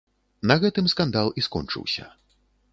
На гэтым скандал і скончыўся.